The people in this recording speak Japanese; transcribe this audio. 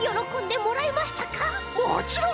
もちろん！